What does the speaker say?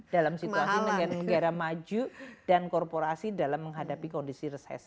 dalam situasi negara negara maju dan korporasi dalam menghadapi kondisi resesi